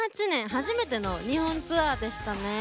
初めての日本ツアーでしたね。